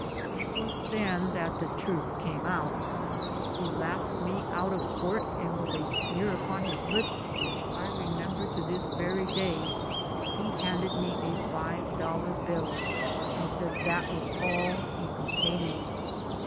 It was then that the truth came out. He laughed me out of court and with a sneer upon his lips which I remember I GO TO JAIL 111 to this very day, he handed me a five dollar bill and said that that was all he could pay me.